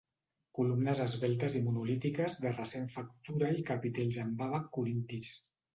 Columnes esveltes i monolítiques de recent factura i capitells amb àbac corintis.